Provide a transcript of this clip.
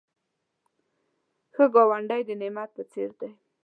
ښه ګاونډی د نعمت په څېر دی